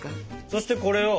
そしてこれを。